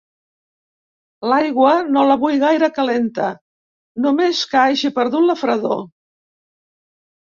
L'aigua, no la vull gaire calenta: només que hagi perdut la fredor.